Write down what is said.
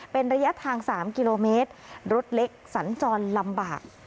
เป็นระยะทาง๓กิโลเมตรรถเล็กสัญจรลำบาก